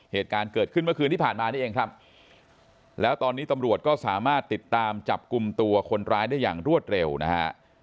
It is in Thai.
เหตุการณ์เกิดขึ้นเมื่อคืนที่ผ่านมานี่เองครับแล้วตอนนี้ตำรวจก็สามารถติดตามจับกลุ่มตัวคนร้ายได้อย่างรวดเร็วนะฮะ